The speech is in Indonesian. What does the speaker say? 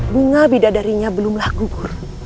bunga bidadarinya belumlah gugur